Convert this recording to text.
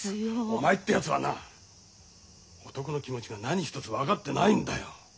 お前ってやつはな男の気持ちが何一つ分かってないんだよ。